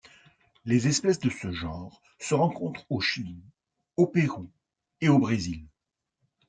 Les espèces de ce genre se rencontrent au Chili, au Pérou et au Brésil.